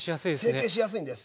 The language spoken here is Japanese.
成形しやすいんです。